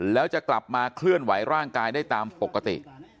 แล้วจะกลับมาเคลื่อนไหวร่างกายได้ตามปกติ